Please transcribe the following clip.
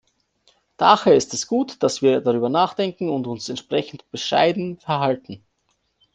Daher ist es gut, dass wir darüber nachdenken und uns entsprechend bescheiden verhalten.